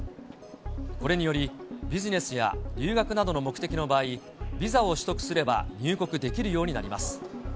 これにより、ビジネスや留学などの目的の場合、ビザを取得すれば入国できるようになります。